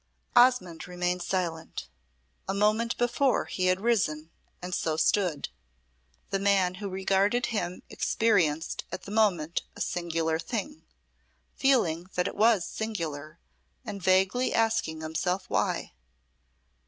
Osmonde remained silent. A moment before he had risen, and so stood. The man who regarded him experienced at the moment a singular thing, feeling that it was singular, and vaguely asking himself why.